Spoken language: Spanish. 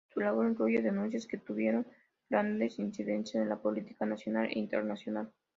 Su labor incluye denuncias que tuvieron grandes incidencias en la política nacional e internacional.